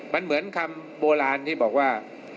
มันเหมือนคำโบราณที่บอกว่า